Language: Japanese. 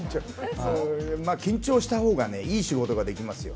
緊張した方がいい仕事ができますよ。